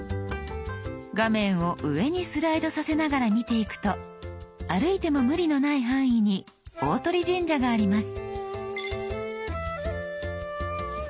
画面を上にスライドさせながら見ていくと歩いても無理のない範囲に大鳥神社があります。